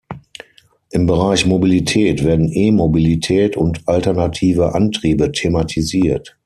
Im Bereich Mobilität werden E-Mobilität und alternative Antriebe thematisiert.